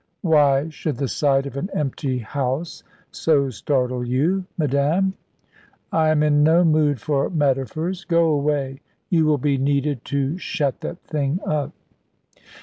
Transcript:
"Why should the sight of an empty house so startle you, madame?" "I am in no mood for metaphors. Go away; you will be needed to shut that thing up."